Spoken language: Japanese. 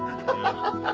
ハハハハ。